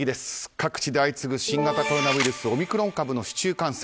各地で相次ぐ新型コロナウイルスオミクロン株の市中感染。